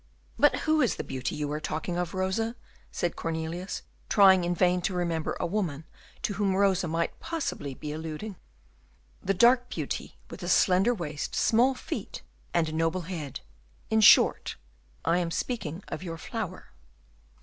"But who is the beauty you are talking of, Rosa?" said Cornelius, trying in vain to remember a woman to whom Rosa might possibly be alluding. "The dark beauty with a slender waist, small feet, and a noble head; in short, I am speaking of your flower."